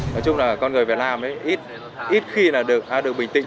nói chung là con người việt nam ít khi được bình tĩnh